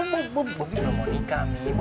bobi belum mau nikah